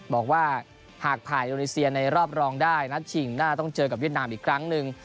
บอกว่าหากผ่านอินโดนีเซียในรอบรองได้นัดชิงหน้าต้องเจอกับเวียดนามอีกครั้งหนึ่ง